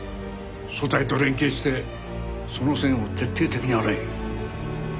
組対と連携してその線を徹底的に洗え。